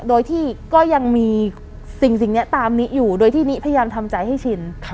โดยที่ก็ยังมีสิ่งนี้ตามนี้อยู่โดยที่นิพยายามทำใจให้ชิน